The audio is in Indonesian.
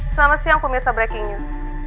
selamat siang pemirsa breaking news